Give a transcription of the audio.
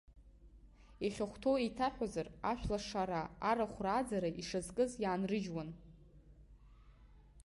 Иахьахәҭоу еиҭаҳәазар, ашәлашараа арахә рааӡара ишазкыз иаанрыжьуан.